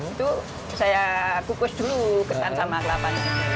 itu saya kukus dulu ketan sama kelapa